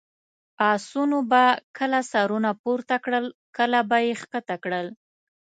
اسونو به کله سرونه پورته کړل، کله به یې کښته کړل.